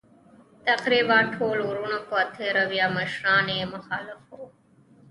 تقریباً ټول وروڼه په تېره بیا مشران یې مخالف وو.